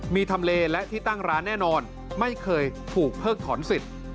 มีทำเลและที่ตั้งร้านแน่นอนไม่เคยถูกเพิกถอนสิทธิ์